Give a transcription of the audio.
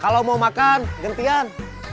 kalau mau makan gentian